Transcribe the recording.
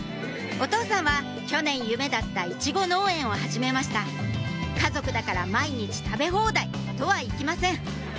お父さんは去年夢だったイチゴ農園を始めました家族だから毎日食べ放題とはいきません